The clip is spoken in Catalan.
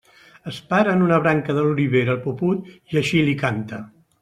Es para en una branca de l'olivera el puput i així li canta.